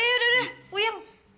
yai yai yai uyang